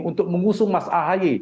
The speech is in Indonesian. untuk mengusung mas ahy